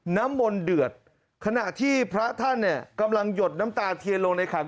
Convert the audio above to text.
น้ำมนต์เดือดขณะที่พระท่านเนี่ยกำลังหยดน้ำตาเทียนลงในขัน